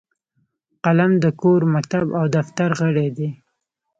قلم د کور، مکتب او دفتر غړی دی